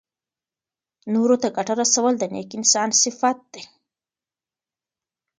نورو ته ګټه رسول د نېک انسان صفت دی.